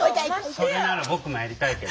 それなら僕もやりたいけど。